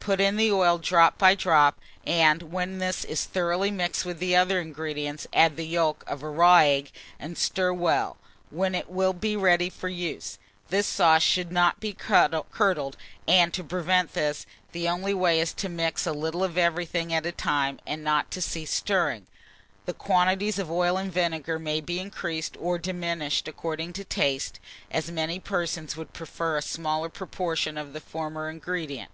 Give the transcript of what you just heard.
Put in the oil drop by drop, and when this is thoroughly mixed with the other ingredients, add the yolk of a raw egg, and stir well, when it will be ready for use. This sauce should not be curdled; and to prevent this, the only way is to mix a little of everything at a time, and not to cease stirring. The quantities of oil and vinegar may be increased or diminished according to taste, as many persons would prefer a smaller proportion of the former ingredient.